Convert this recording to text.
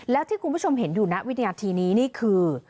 แล้วที่คุณผู้ชมเห็นอยู่ณวินาทีนี้นี่คือ